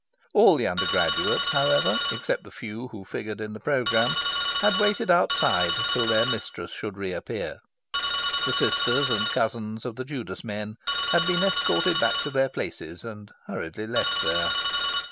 All the undergraduates, however, except the few who figured in the programme, had waited outside till their mistress should re appear. The sisters and cousins of the Judas men had been escorted back to their places and hurriedly left there.